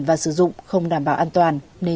và sử dụng không đảm bảo an toàn